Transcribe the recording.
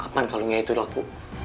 kapan kalungnya itu laku